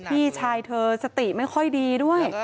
พี่ชายเธอสติไม่ค่อยดีด้วย